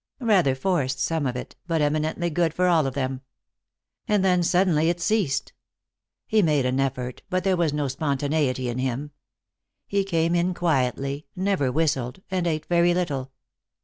Rather forced, some of it, but eminently good for all of them. And then suddenly it ceased. He made an effort, but there was no spontaneity in him. He came in quietly, never whistled, and ate very little.